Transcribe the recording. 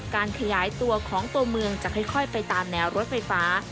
การขยายตัวของตัวเมืองจะค่อยไปตามแนวรถไฟฟ้า